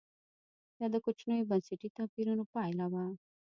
دا د کوچنیو بنسټي توپیرونو پایله وه.